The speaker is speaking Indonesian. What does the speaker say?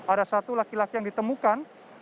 ada satu laki laki yang ditemukan